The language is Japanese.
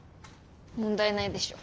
問題ないでしょ。